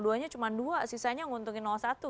ah dua nya cuma dua sisanya menguntungkan satu gitu